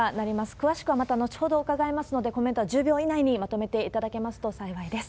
詳しくはまた後ほど伺いますので、コメントは１０秒以内にまとめていただけますと幸いです。